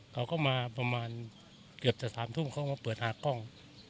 เขาก็มาประมาณเกือบจะ๓ทุ่มเขาก็เปิดหากล้อง